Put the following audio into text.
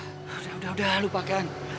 udah udah udah lupakan